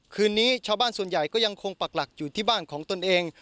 คืนนี้ชาวบ้านส่วนใหญ่ก็ยังคงปักหลักอยู่ที่บ้านของตนเอง